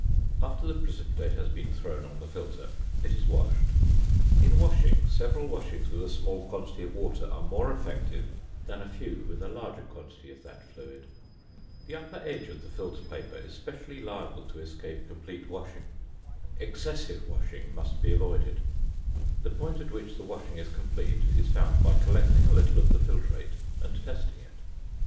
After the precipitate has been thrown on the filter, it is washed. In washing, several washings with a small quantity of water are more effective than a few with a larger quantity of that fluid. The upper edge of the filter paper is specially liable to escape complete washing. Excessive washing must be avoided; the point at which the washing is complete is found by collecting a little of the filtrate and testing it.